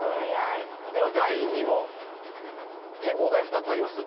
では第２問、展望台、２つあります。